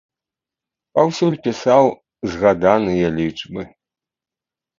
Паўсюль пісаў згаданыя лічбы.